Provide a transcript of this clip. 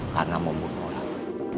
karena membunuh orang